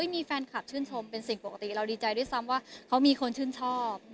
มีแฟนคลับชื่นชมเป็นสิ่งปกติเราดีใจด้วยซ้ำว่าเขามีคนชื่นชอบ